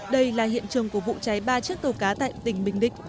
đây là hiện trường của vụ cháy ba chiếc tàu cá tại tỉnh bình định